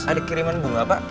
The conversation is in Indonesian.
ada kiriman buah pak